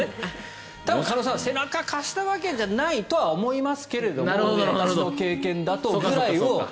多分、鹿野さんは背中を貸したわけじゃないと思いますけども私の経験だとぐらいを。